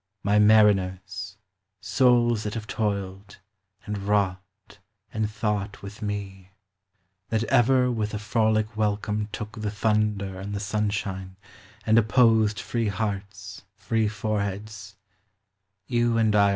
M mariners, Souls that have toiled, and wrought, and thought with me — That ever with a frolic welcome took The thunder and the sunshine, and oppose 1 Free hearts, five foreheads you and I "Id.